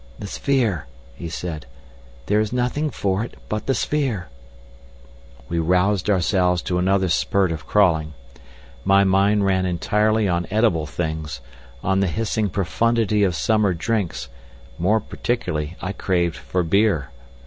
"The sphere!" he said. "There is nothing for it but the sphere." We roused ourselves to another spurt of crawling. My mind ran entirely on edible things, on the hissing profundity of summer drinks, more particularly I craved for beer.